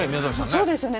そうですよね。